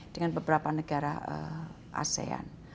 dengan beberapa negara asean